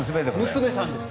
娘さんです。